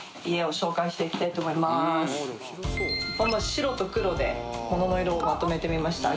白と黒で物の色をまとめてみました。